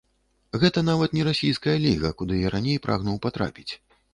Гэта нават не расійская ліга, куды я раней прагнуў патрапіць.